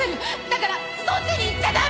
だからそっちに行っちゃ駄目！